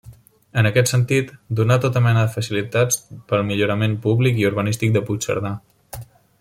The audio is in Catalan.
En aquest sentit, donà tota mena de facilitats pel millorament públic i urbanístic de Puigcerdà.